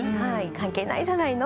「関係ないじゃないの？